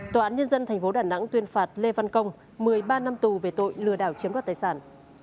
tòa án nhân dân tp đà nẵng tuyên phạt lê văn công một mươi ba năm tù về tội lừa đảo chiếm đoạt tài sản